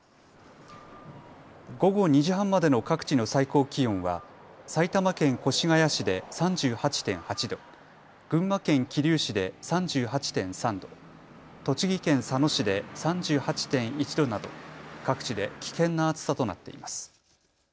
午後２時半までの各地の最高気温は埼玉県越谷市で３８．８度、群馬県桐生市で３８．３度、栃木県佐野市で３８．１度など各地で危険な暑さとなっています。